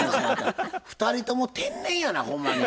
２人とも天然やなほんまに。